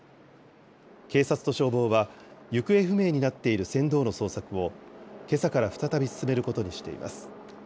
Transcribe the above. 警察と消防は、行方不明になっている船頭の捜索を、けさから再び進めることにしています。